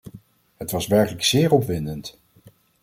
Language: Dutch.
Het was werkelijk zeer opwindend.